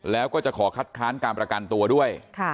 แล้วก็จะขอคัดค้านการประกันตัวด้วย